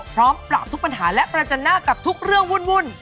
พร้อมปราบทุกปัญหาและประจันหน้ากับทุกเรื่องวุ่น